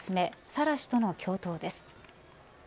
サラ氏との共闘です。